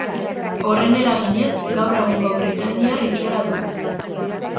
Horren eraginez, gaur egungo britainiar itxura du.